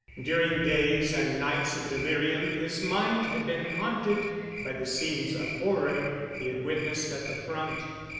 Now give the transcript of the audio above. During days and nights of delirium his mind had been haunted by the scenes of horror he had witnessed at the front.